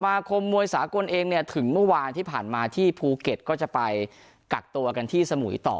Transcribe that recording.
คมมวยสากลเองเนี่ยถึงเมื่อวานที่ผ่านมาที่ภูเก็ตก็จะไปกักตัวกันที่สมุยต่อ